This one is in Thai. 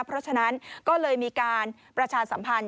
เพราะฉะนั้นก็เลยมีการประชาสัมพันธ